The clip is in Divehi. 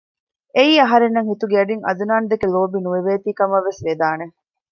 އެއީ އަހަރެންނަށް ހިތުގެ އަޑީން އަދުނާނު ދެކެ ލޯބި ނުވެވޭތީ ކަމަށް ވެސް ވެދާނެ